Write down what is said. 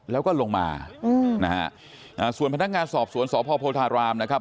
แล้วก็ลงมาอืมนะฮะอ่าส่วนพนักงานสอบสวนสพโพธารามนะครับ